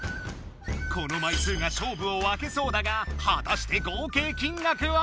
この枚数が勝負を分けそうだがはたして合計金額は？